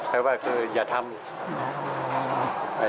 ไปว่าคืออย่าทำ